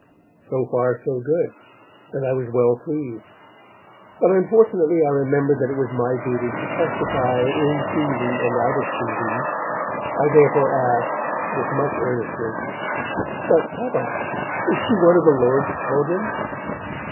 So far so good, and I was well pleased. But unfortunately I remembered that it was my duty to testify 'in season and out of season'. I therefore asked, with much earnestness, 'But, Papa, is she one of the Lord's children?'